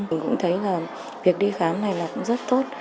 mình cũng thấy là việc đi khám này là cũng rất tốt